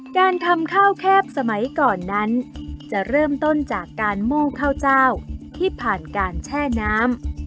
การทำข้าวแคบสมัยก่อนนั้นจะเริ่มต้นจากการมู้ข้าวเจ้าที่ผ่านการแช่น้ำ